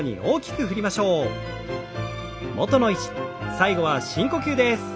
最後は深呼吸です。